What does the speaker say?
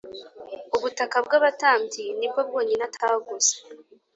Ubutaka bw abatambyi ni bwo bwonyine ataguze